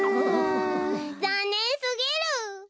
ざんねんすぎる。